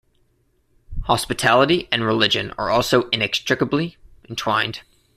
Hospitality and religion are also inextricably entwined.